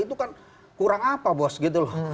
itu kan kurang apa bos gitu loh